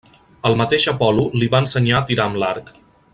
El mateix Apol·lo li va ensenyar a tirar amb l'arc.